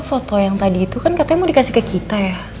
foto yang tadi itu kan katanya mau dikasih ke kita ya